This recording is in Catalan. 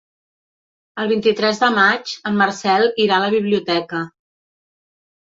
El vint-i-tres de maig en Marcel irà a la biblioteca.